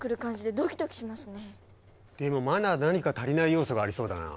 でもまだ何か足りない要素がありそうだな。